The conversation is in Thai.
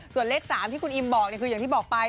ส่วนเลข๓ที่คุณอิมบอกคืออย่างที่บอกไป